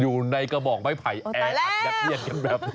อยู่ในกระบองไภไผ่แอร์อัดกระเทียงอย่างแบบนี้